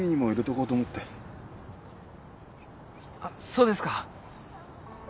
あっそうですか。